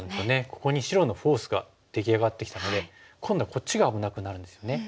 ここに白のフォースが出来上がってきたので今度はこっちが危なくなるんですよね。